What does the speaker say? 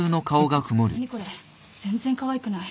何これ全然かわいくない。